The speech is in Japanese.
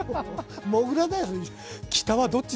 モグラだよ。